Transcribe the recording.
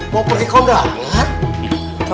mau pergi ke undangan